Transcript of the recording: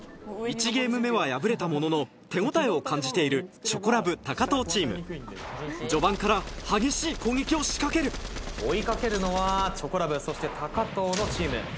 １ゲーム目は敗れたものの手応えを感じているちょこらぶ・藤チーム序盤から激しい攻撃を仕掛ける追い掛けるのはちょこらぶそして藤のチーム。